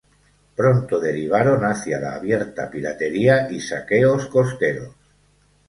Pronto derivaron hacia la abierta piratería y saqueos costeros.